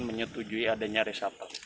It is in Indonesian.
menyetujui adanya resapel